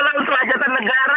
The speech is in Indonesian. untuk lajatan negara